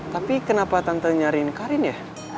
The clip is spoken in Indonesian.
tapi kenapa tante nyariin karin ya